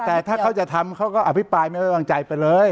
แต่ถ้าเขาจะทำเขาก็อภิปรายไม่ไว้วางใจไปเลย